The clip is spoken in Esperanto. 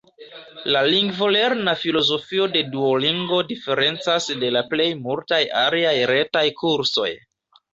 La lingvolerna filozofio de Duolingo diferencas de la plej multaj aliaj retaj kursoj.